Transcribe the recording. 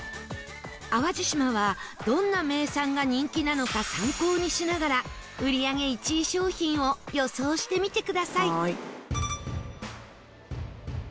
淡路島はどんな名産が人気なのか参考にしながら売り上げ１位商品を予想してみてください